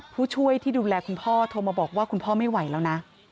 ผู้ช่วยที่ดูแลคุณพ่อโทรมาบอกว่าคุณพ่อไม่ไหวแล้วนะ